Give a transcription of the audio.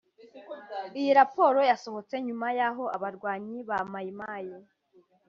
Iyi raporo yasohotse nyuma y’aho abarwanyi ba Mai Mai